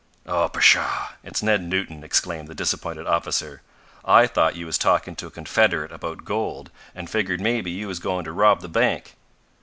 "Oh, pshaw! It's Ned Newton!" exclaimed the disappointed officer. "I thought you was talkin' to a confederate about gold, and figured maybe you was goin' to rob the bank."